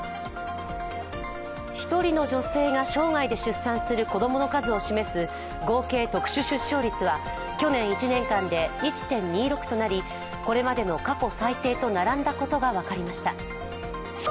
１人の女性が生涯で出産する子供の数を示す合計特殊出生率は去年１年間で１．２６となりこれまでの過去最低と並んだことが分かりました。